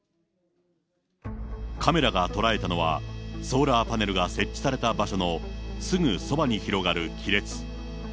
カメラが捉えたのは、ソーラーパネルが設置された場所のすぐそばに広がる亀裂。